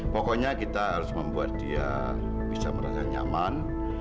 pokoknya kita harus membuat dia bisa merasa nyaman